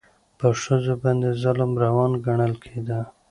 په ښځو باندې ظلم روان ګڼل کېده.